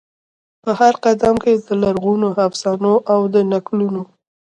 په هرقدم کې د لرغونو افسانو او د نکلونو،